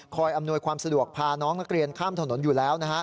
อำนวยความสะดวกพาน้องนักเรียนข้ามถนนอยู่แล้ว